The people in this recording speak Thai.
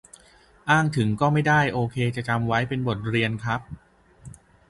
อ้างถึงก็ไม่ได้ โอเค จะจำไว้เป็นบทเรียนครับ